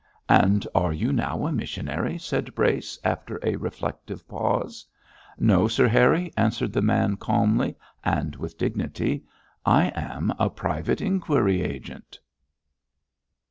'And are you now a missionary?' said Brace, after a reflective pause. 'No, Sir Harry,' answered the man, calmly, and with dignity, 'I am a private inquiry agent!'